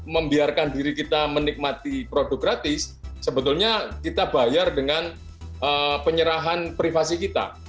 membiarkan diri kita menikmati produk gratis sebetulnya kita bayar dengan penyerahan privasi kita